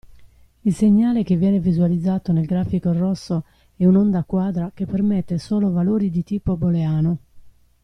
Il segnale che viene visualizzato nel grafico rosso è un onda quadra che permette solo valori di tipo booleano.